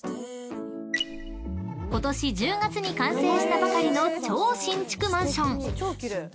［今年１０月に完成したばかりの超新築マンション］